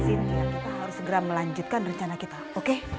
sini kita harus segera melanjutkan rencana kita oke